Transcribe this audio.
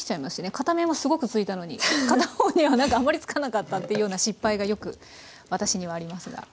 片面はすごく付いたのに片方にはなんかあんまり付かなかったっていうような失敗がよく私にはありますが。